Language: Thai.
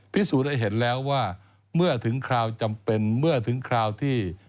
พิสูจน์ให้เห็นแล้วว่าเมื่อถึงคราวจำเป็นเมื่อถึงคราวที่